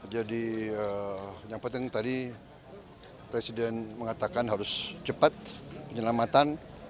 jadi yang penting tadi presiden mengatakan harus cepat penyelamatan